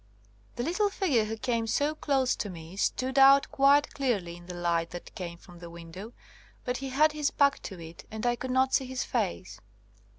The little figure who came so close to me stood out quite clearly in the light that came from the window, but he had his back to it, and I could not see his face.